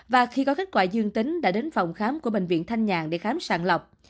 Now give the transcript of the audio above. và khi có kết quả dương tính đã đến phòng khám của bệnh viện thanh nhàn để khám sàng lọc